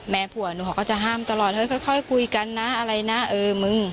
ผัวหนูเขาก็จะห้ามตลอดเฮ้ยค่อยคุยกันนะอะไรนะเออมึง